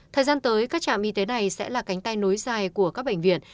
thời gian tới các trạm y tế này sẽ là cánh tay nối dài của các bệnh viện